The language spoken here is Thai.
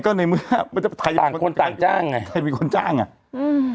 ก็ในเมื่อมันจะต่างคนต่างจ้างไงใครเป็นคนจ้างอ่ะอืม